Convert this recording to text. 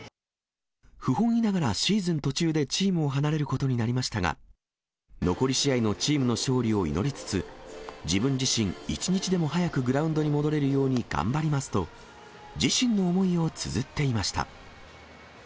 不本意ながらシーズン途中でチームを離れることになりましたが、残り試合のチームの勝利を祈りつつ、自分自身、一日でも早くグラウンドに戻れるように頑張りますと、自身の思いをつづっていました。